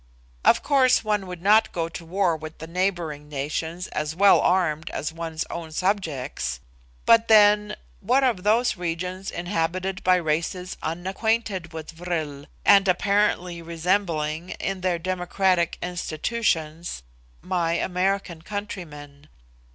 Of course one would not go to war with the neighbouring nations as well armed as one's own subjects; but then, what of those regions inhabited by races unacquainted with vril, and apparently resembling, in their democratic institutions, my American countrymen?